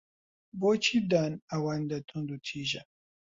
بۆچی دان ئەوەندە توندوتیژە؟